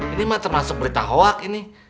ini mah termasuk berita hoak ini